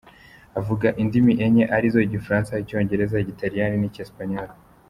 Avuga indimi enye ari zo : igifaransa, icyongereza, igitariyani n’ icyesipanyolo.